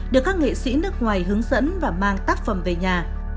được các nghệ sĩ nước ngoài hướng dẫn và mang tác phẩm về nhà